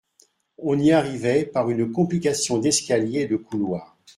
On y arrivait par une complication d'escaliers et de couloirs.